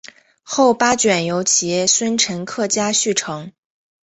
后八卷由其孙陈克家续成。